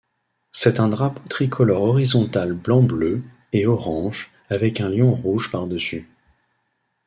C'est un drapeau tricolore horizontal blanc bleu, et orange, avec un lion rouge par-dessus.